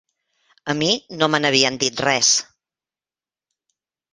A mi no me n'havien dit res.